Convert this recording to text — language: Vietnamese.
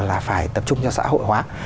là phải tập trung cho xã hội hóa